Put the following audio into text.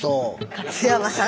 勝山さん？